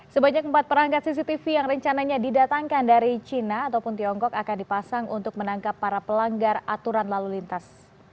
sebanyak empat perangkat cctv yang rencananya didatangkan dari cina ataupun tiongkok akan dipasang untuk menangkap para pelanggar aturan lalu lintas